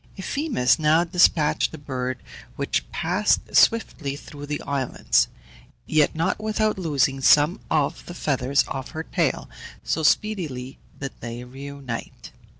Euphemus now despatched the bird, which passed swiftly through the islands, yet not without losing some of the feathers of her tail, so speedily did they reunite.